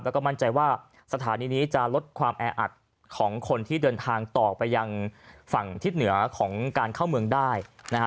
แล้วก็มั่นใจว่าสถานีนี้จะลดความแออัดของคนที่เดินทางต่อไปยังฝั่งทิศเหนือของการเข้าเมืองได้